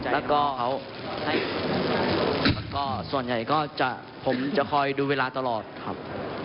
แล้วก็เขาส่วนใหญ่ก็จะผมจะคอยดูเวลาตลอดครับ